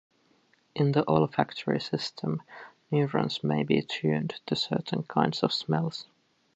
In the olfactory system, neurons may be tuned to certain kinds of smells.